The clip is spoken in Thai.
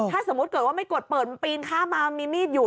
ถ้าสมมุติเกิดว่าไม่กดเปิดมันปีนข้ามมามันมีมีดอยู่